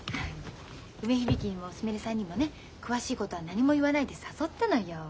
梅響にもすみれさんにもね詳しいことは何も言わないで誘ったのよ。